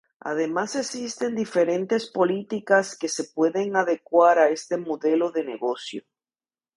Además existen diferentes políticas que se pueden adecuar a este modelo de negocio..